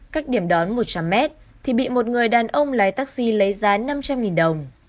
cách điểm đón một trăm linh mét thì bị một người đàn ông lái taxi lấy giá năm trăm linh đồng